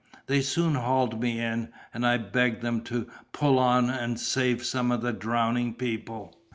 They soon hauled me in, and I begged them to pull on and save some of the drowning people.